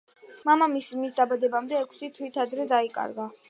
მამამისი მის დაბადებამდე ექვსი თვით ადრე დაიკარგა.